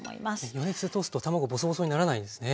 余熱で通すと卵ぼそぼそにならないですね。